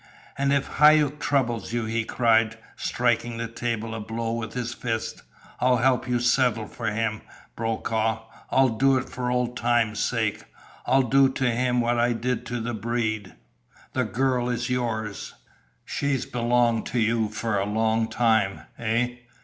"And if Hauck troubles you," he cried, striking the table a blow with his fist, "I'll help you settle for him, Brokaw! I'll do it for old time's sake. I'll do to him what I did to the Breed. The girl's yours. She's belonged to you for a long time, eh?